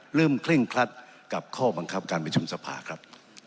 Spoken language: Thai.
เร่งเคร่งครัดกับข้อบังคับการประชุมสภาครับ